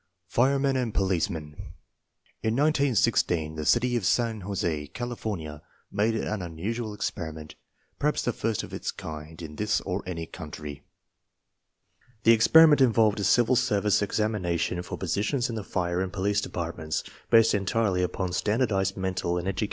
Firemen and policemen. In 1916 the city of San Jos6, California, made an unusual experiment, per haps the first of its kind in this or any country. 1 The experiment involved a civil service examination for positions in the fire and police departments, based entirely upon standardized mental and educational 1 Tennan, Lewis M.